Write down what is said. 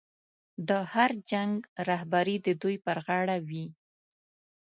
د هر جنګ رهبري د دوی پر غاړه وه.